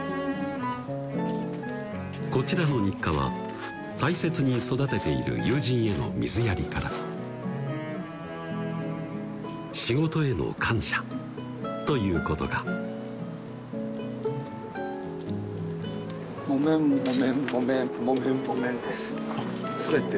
こちらの日課は大切に育てている友人への水やりから仕事への感謝ということか全て？